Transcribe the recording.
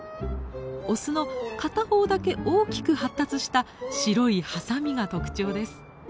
オスの片方だけ大きく発達した白いハサミが特徴です。